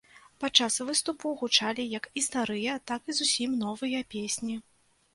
Падчас выступу гучалі як і старыя, так і зусім новыя песні.